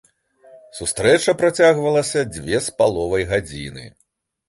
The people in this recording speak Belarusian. Сустрэча працягвалася дзве з паловай гадзіны.